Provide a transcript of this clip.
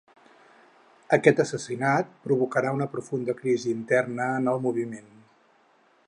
Aquest assassinat provocà una profunda crisi interna en el moviment.